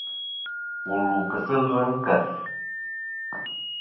Wù lu kɨ sɨ ɨlvɨ ɨ nkèf.